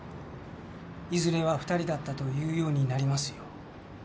いずれは「２人だった」と言うようになりますよ。